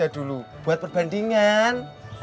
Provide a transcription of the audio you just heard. dari dulu buat perbandingan